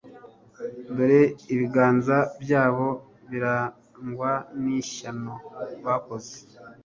dore ibiganza byabo birarangwa n'ishyano bakoze